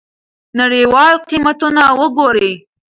نړیوال قیمتونه وګورئ.